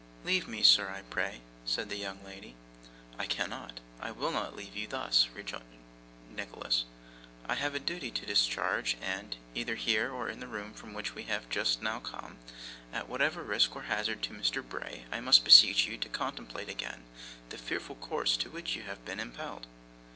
'Leave me, sir, pray,' said the young lady. 'I cannot, will not leave you thus,' returned Nicholas. 'I have a duty to discharge; and, either here, or in the room from which we have just now come, at whatever risk or hazard to Mr. Bray, I must beseech you to contemplate again the fearful course to which you have been impelled.